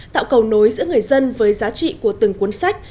tạo cầu nối giữa người dân với giá trị của từng cuốn sách